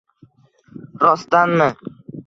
Rostdanmi?